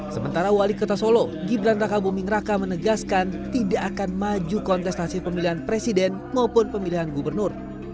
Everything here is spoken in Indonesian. sementara wali kota solo gibran raka buming raka menegaskan tidak akan maju kontestasi pemilihan presiden maupun pemilihan gubernur